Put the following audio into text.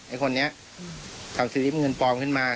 คนนี้ทำสลิปเงินปลอมขึ้นมา